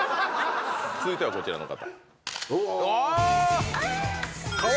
続いてはこちらの方。